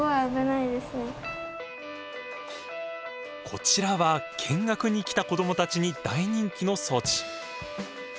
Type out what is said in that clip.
こちらは見学に来た子どもたちに大人気の装置。